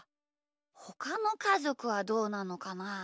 ほかのかぞくはどうなのかな？